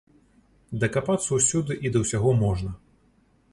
Дакапацца ўсюды і да ўсяго можна.